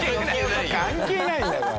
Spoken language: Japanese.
関係ないんだから。